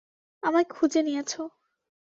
আমায় খুঁজে নিয়েছো।